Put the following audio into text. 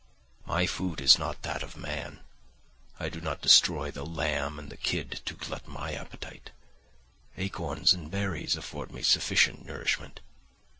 My food is not that of man; I do not destroy the lamb and the kid to glut my appetite; acorns and berries afford me sufficient nourishment.